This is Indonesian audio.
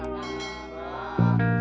kalau gue glow